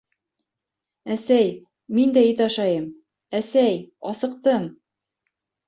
— Әсәй, мин дә ит ашайым, әсәй, асыҡтым.